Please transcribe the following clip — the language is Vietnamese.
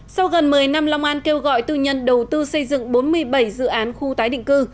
sau gần một mươi năm long an kêu gọi tư nhân đầu tư xây dựng bốn mươi bảy dự án khu tái định cư